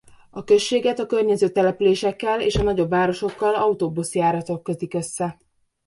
A községet a környező településekkel és a nagyobb városokkal autóbuszjáratok kötik össze.